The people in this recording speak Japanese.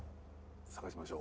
探しましょう。